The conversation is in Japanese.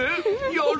やる！